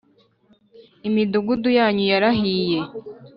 imidugudu yanyu yarahiye